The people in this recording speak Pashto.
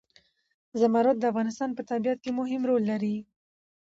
زمرد د افغانستان په طبیعت کې مهم رول لري.